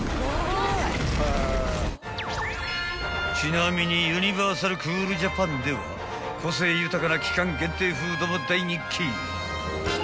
［ちなみにユニバーサル・クールジャパンでは個性豊かな期間限定フードも大人気］